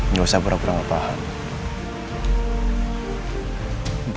nggak usah pura pura gak paham